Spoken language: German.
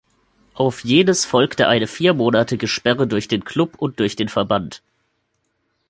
Auf jenes folgte eine viermonatige Sperre durch den Klub und durch den Verband.